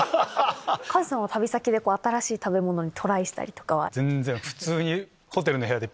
カズさんは旅先で新しい食べ物にトライしたりとかは？